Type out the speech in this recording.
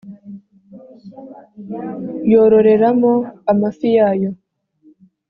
yororeramo amafi, yayo